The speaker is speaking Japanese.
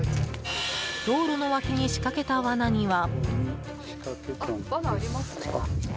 道路の脇に仕掛けた罠には。